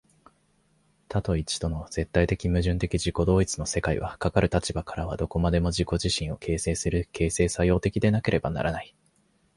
多と一との絶対矛盾的自己同一の世界は、かかる立場からはどこまでも自己自身を形成する、形成作用的でなければならない。